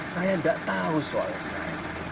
saya tidak tahu soal saya